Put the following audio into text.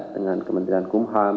dengan kementerian kumham